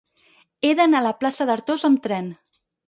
He d'anar a la plaça d'Artós amb tren.